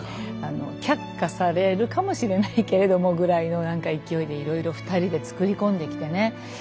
却下されるかもしれないけれどもぐらいの勢いでいろいろ２人で作り込んできてね